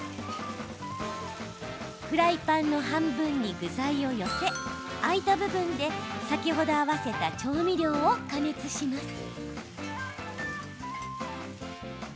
フライパンの半分に具材を寄せ空いた部分で先ほど合わせた調味料を加熱します。